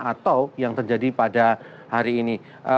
atau yang terjadi pada hari ini